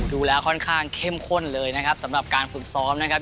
ดูแล้วค่อนข้างเข้มข้นเลยนะครับสำหรับการฝึกซ้อมนะครับ